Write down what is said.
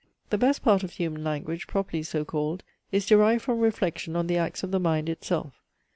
The best part of human language, properly so called, is derived from reflection on the acts of the mind itself.